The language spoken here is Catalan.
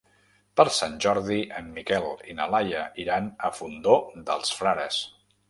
Per Sant Jordi en Miquel i na Laia iran al Fondó dels Frares.